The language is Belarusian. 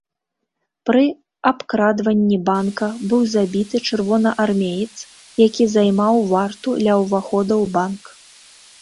Пры абкрадванні банка быў забіты чырвонаармеец, які займаў варту ля ўвахода ў банк.